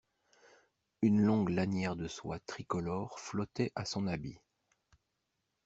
Une longue lanière de soie tricolore flottait à son habit.